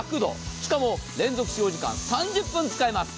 しかも連続使用時間３０分使えます。